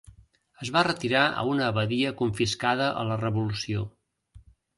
Es va retirar a una abadia confiscada a la Revolució.